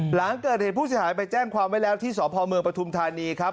หลังเกิดเหตุผู้เสียหายไปแจ้งความไว้แล้วที่สพเมืองปฐุมธานีครับ